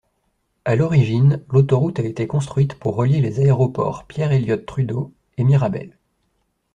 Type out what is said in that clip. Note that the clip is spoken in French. À l'origine, l'autoroute a été construite pour relier les aéroports Pierre-Elliott-Trudeau et Mirabel.